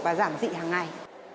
và giảm dị hàng ngày